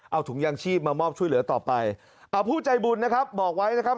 เอาถุงยางชีพมามอบช่วยเหลือต่อไปอ่าผู้ใจบุญนะครับบอกไว้นะครับ